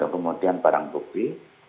kemudian barang bukti